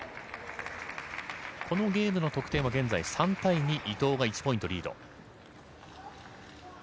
このゲームの得点は現在３対２伊藤が１ポイントリード。